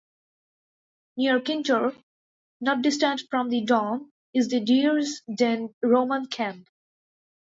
Near Kintore, not distant from the Don, is the Deers Den Roman Camp.